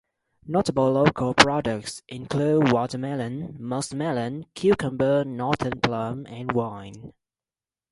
Notable local products include watermelon, musk melon, cucumber, northern plum, and wine.